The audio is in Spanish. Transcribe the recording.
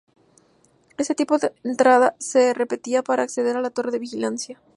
Este tipo de entrada se repetía para acceder a la torre de vigilancia.